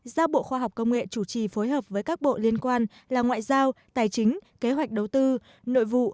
giao bộ khoa học công nghệ chủ trì phối hợp với các bộ liên quan là ngoại giao tài chính kế hoạch đầu tư nội vụ